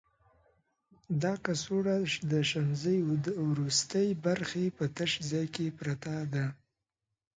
دا کڅوړه د شمزۍ د وروستي برخې په تش ځای کې پرته ده.